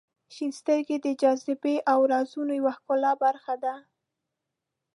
• شنې سترګې د جاذبې او رازونو یوه ښکلې برخه ده.